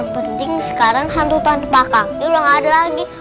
penting sekarang hantu tanpa kaki udah gak ada lagi